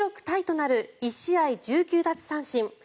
タイとなる１試合１９奪三振。